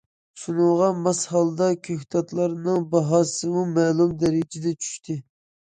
شۇنىڭغا ماس ھالدا كۆكتاتلارنىڭ باھاسىمۇ مەلۇم دەرىجىدە چۈشتى.